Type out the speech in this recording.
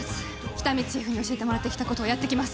喜多見チーフに教えてもらってきたことをやってきます